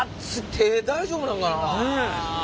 手大丈夫なんかな。